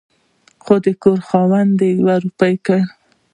خو د کور خاوند يوه روپۍ کړ